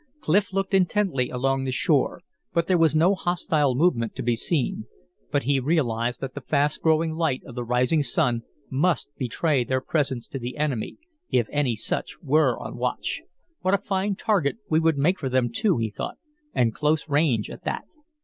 Clif looked intently along the shore, but there was no hostile movement to be seen. But he realized that the fast growing light of the rising sun must betray their presence to the enemy, if any such were on watch. "What a fine target we would make for them, too," he thought. "And close range at that."